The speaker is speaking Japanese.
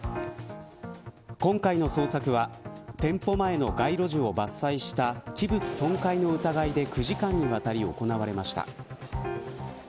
今回の捜索は店舗前の街路樹を伐採した器物損壊の疑いで９時間にわたり行われました。